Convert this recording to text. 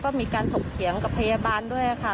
ก็มีการถกเถียงกับพยาบาลด้วยค่ะ